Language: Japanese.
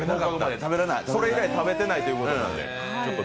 それ以来食べてないということなので。